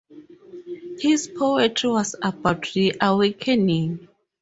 His poetry was about reawakening.